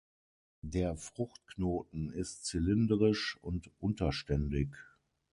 Der Fruchtknoten ist zylindrisch und unterständig.